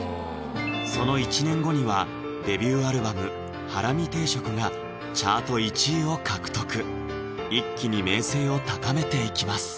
その１年後にはデビューアルバム「ハラミ定食」がチャート１位を獲得一気に名声を高めていきます